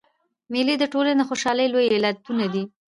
مېلې د ټولني د خوشحالۍ لوی علتونه دي.